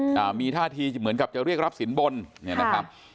อ่ามีท่าทีเหมือนกับจะเรียกรับสินบนเนี่ยนะครับ